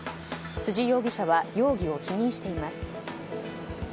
辻容疑者は容疑を否認しています。